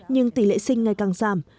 nhưng tỷ lệ sinh ngày càng giảm